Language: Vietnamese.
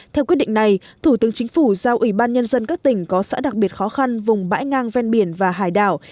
theo quyết định này thủ tướng chính phủ giao ủy ban nhân dân các tỉnh có xã đặc biệt khó khăn vùng bãi ngang ven biển và hải đảo